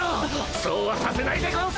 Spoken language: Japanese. そうはさせないでゴンス。